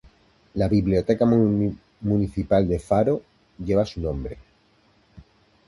La Biblioteca Municipal de Faro lleva su nombre.